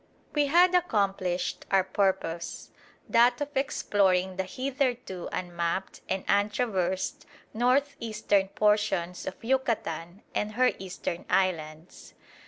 We had accomplished our purpose, that of exploring the hitherto unmapped and untraversed north eastern portions of Yucatan and her eastern islands.